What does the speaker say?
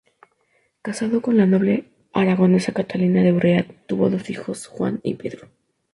Casado con la noble aragonesa Catalina de Urrea, tuvo dos hijos: Juan y Pedro.